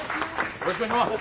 よろしくお願いします。